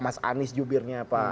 mas anies jubirnya pak